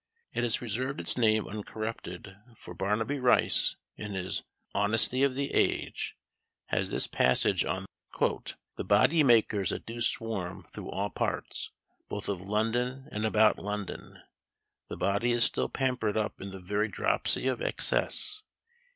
It has preserved its name uncorrupted; for Barnabe Rice, in his "Honestie of the Age," has this passage on "the body makers that do swarm through all parts, both of London and about London. The body is still pampered up in the very dropsy of excess.